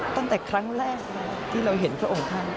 ตั้งแต่ครั้งแรกเลยที่เราเห็นพระองค์ท่าน